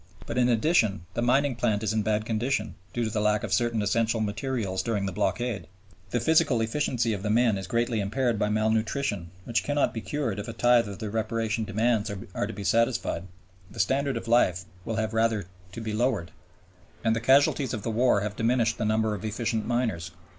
But in addition, the mining plant is in bad condition (due to the lack of certain essential materials during the blockade), the physical efficiency of the men is greatly impaired by malnutrition (which cannot be cured if a tithe of the reparation demands are to be satisfied, the standard of life will have rather to be lowered), and the casualties of the war have diminished the numbers of efficient miners.